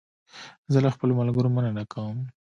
زه له خپلو ملګرو مننه کوم.